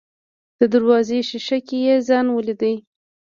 د دروازې ښيښه کې يې ځان وليد.